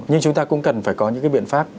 nhưng chúng ta cũng cần phải có những cái biện pháp